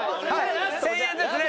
１０００円ずつね。